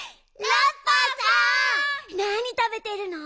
なにたべてるの？